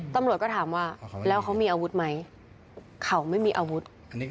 ตำรวจก็ถามว่าแล้วเขามีอาวุธไหมเขาไม่มีอาวุธ